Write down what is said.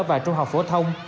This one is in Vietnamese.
và trung học phổ thông